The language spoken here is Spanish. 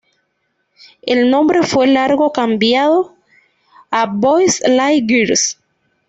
El nombre fue luego cambiado a Boys Like Girls.